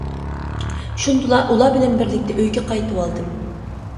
شۇندىلا ئۇلار بىلەن بىرلىكتە ئۆيگە قايتىۋالدىم.